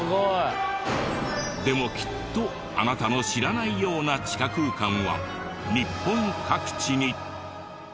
でもきっとあなたの知らないような地下空間は日本各地に。